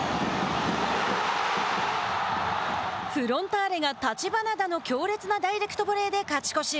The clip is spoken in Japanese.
フロンターレが橘田の強烈なダイレクトボレーで勝ち越し。